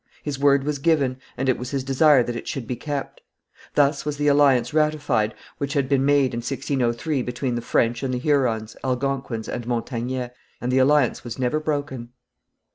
His word was given, and it was his desire that it should be kept. Thus was the alliance ratified which had been made in 1603 between the French and the Hurons, Algonquins and Montagnais, and the alliance was never broken.